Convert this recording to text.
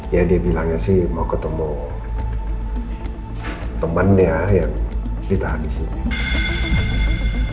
ya dia bilangnya sih mau ketemu temennya yang ditahan disini